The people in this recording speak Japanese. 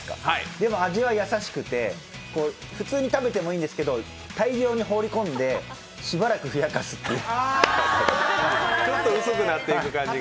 でも味は優しくて、普通に食べてもいいんですけど、大量に放り込んでしばらくふやかすという。